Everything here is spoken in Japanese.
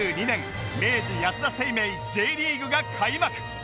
２０２２年明治安田生命 Ｊ リーグが開幕